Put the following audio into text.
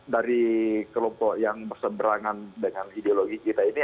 dari kelompok yang berseberangan dengan ideologi kita ini